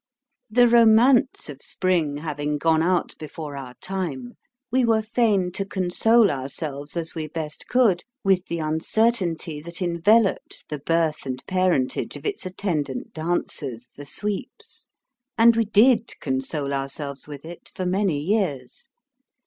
The romance of spring having gone out before our time, we were fain to console ourselves as we best could with the uncertainty that enveloped the birth and parentage of its attendant dancers, the sweeps ; and we did console ourselves with it, for many years.